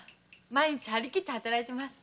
毎日張り切って働いてます。